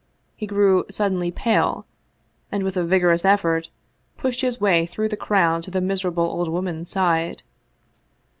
He grew suddenly pale, and with a vigorous effort pushed his way through the crowd to the miserable old woman's side.